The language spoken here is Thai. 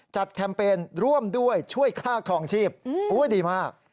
จัดแคมเปญร่วมด้วยช่วยฆ่าของชีพดีมาก